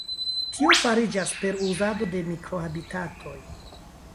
Tio fariĝas per uzado de mikro-habitatoj.